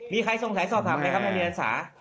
มีใครสงสัยสอบถามอะไรครับนักเรียนอันสาร